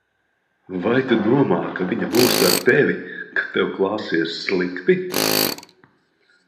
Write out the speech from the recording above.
Vai tu domā, ka viņa būs ar tevi, kad tev klāsies slikti?